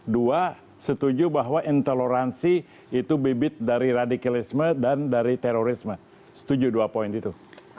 dua setuju bahwa intoleransi itu bibit dari radikalisme dan dari terorisme setuju dua poin itu